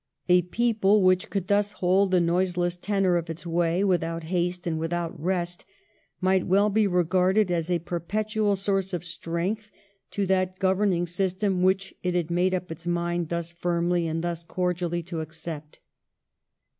A people which could thus hold the noiseless tenour of its way without haste and without rest, might well be regarded as a perpetual source of strength to that governing system which it had made up its mind thus firmly and thus cordially to accept.